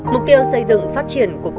mục tiêu xây dựng phát triển của công an